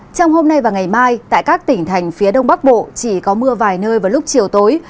trong hôm nay và ngày mai tại các tỉnh thành phía đông bắc bộ chỉ có mưa vài nơi vào lúc chiều tối